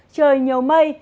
trời nhiều mây